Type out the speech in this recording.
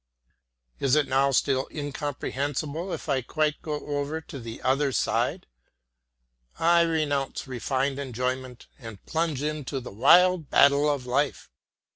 Is it now still incomprehensible if I quite go over to the other side? I renounce refined enjoyment and plunge into the wild battle of life.